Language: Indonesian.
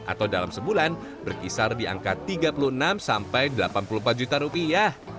atau dalam sebulan berkisar di angka tiga puluh enam sampai delapan puluh empat juta rupiah